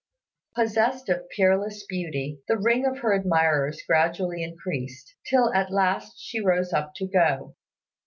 Possessed of peerless beauty, the ring of her admirers gradually increased, till at last she rose up to go.